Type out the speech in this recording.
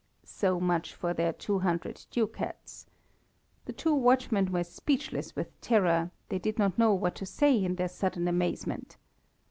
So much for their two hundred ducats. The two watchmen were speechless with terror, they did not know what to say in their sudden amazement.